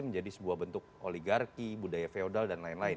menjadi sebuah bentuk oligarki budaya feodal dan lain lain